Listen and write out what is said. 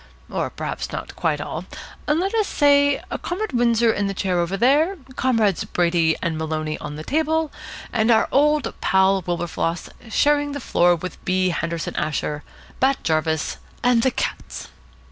Or perhaps not quite all. Let us say, Comrade Windsor in the chair over there, Comrades Brady and Maloney on the table, and our old pal Wilberfloss sharing the floor with B. Henderson Asher, Bat Jarvis, and the cats.